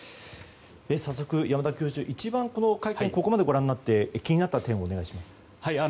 早速、山田教授会見をここまでご覧になって気になった点をお願いします。